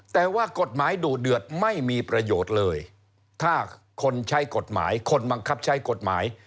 แต่ว่ากฎหมายดุเดือดไม่มีประโยชน์เลยถ้าคนใช้กฎหมายคนบังคับใช้กฎหมาย